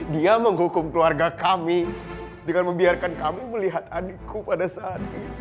dia menghukum keluarga kami dengan membiarkan kami melihat adikku pada saat ini